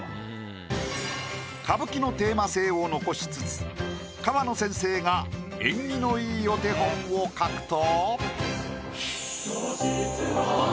歌舞伎のテーマ性を残しつつ河野先生が縁起のいいお手本を描くと。